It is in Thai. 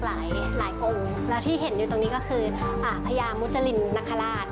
หลายหลายองค์แล้วที่เห็นอยู่ตรงนี้ก็คือพญามุจรินนคราช